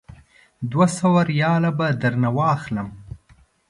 دوه سوه ریاله به درنه واخلم.